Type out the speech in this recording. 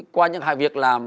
qua những hai việc làm